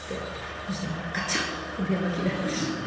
そしたらガチャンって電話切られてしまって。